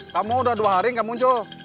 kamu udah dua hari gak muncul